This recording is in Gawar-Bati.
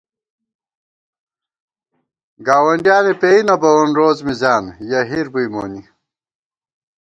گاونڈیانے پېنئ نہ بَوون روڅ مِزان یَہ ہِیر بُوئی مونی